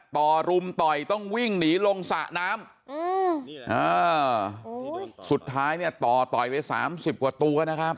ต่อรุมต่อยต้องวิ่งหนีลงสระน้ำอืมอ่าสุดท้ายเนี่ยต่อต่อยไปสามสิบกว่าตัวนะครับ